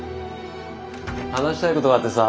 話したいことがあってさ。